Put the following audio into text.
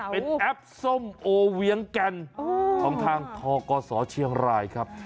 เป็นแอปส้มโอเวียงแก่นของทางทกศเชียงรายครับ